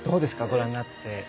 ご覧になって。